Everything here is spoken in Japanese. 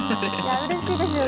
うれしいですよね